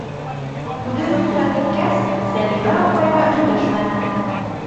Үҙе рөхсәт иткәс, Сәлимә апай ҙа өндәшмәне.